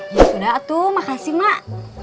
ya sudah tuh makasih mah